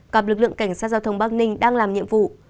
gặp lực lượng cảnh sát giao thông bắc ninh đang làm nhiệm vụ